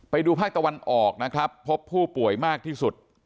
ไปดูภาคตะวันออกนะครับพบผู้ป่วยมากที่สุด